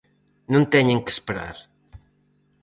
Non teñen que esperar.